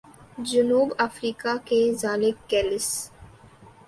جنوب افریقہ کے ژاک کیلس